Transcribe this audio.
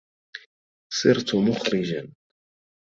صرتُ مُخرجاً.